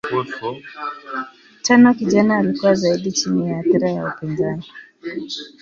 Tenno kijana alikuwa zaidi chini ya athira ya upinzani.